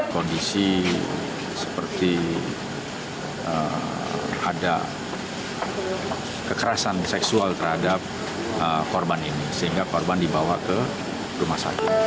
kondisi seperti ada kekerasan seksual terhadap korban ini sehingga korban dibawa ke rumah sakit